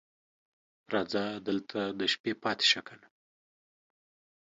راځه دلته د شپې پاتې شه کنه